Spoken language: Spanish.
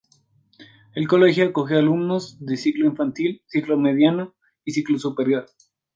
El colegio acoge alumnos de ciclo infantil, ciclo mediano y ciclo superior.